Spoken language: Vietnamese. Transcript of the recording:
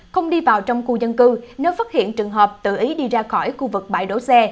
không đi vào trong khu dân cư nếu phát hiện trường hợp tự ý đi ra khỏi khu vực bãi đổ xe